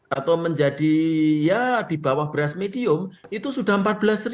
atau menjadi ya di bawah beras medium itu sudah rp empat belas